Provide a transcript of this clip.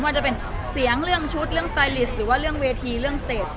ว่าจะเป็นเสียงเรื่องชุดเรื่องสไตลิสต์หรือว่าเรื่องเวทีเรื่องสเตจ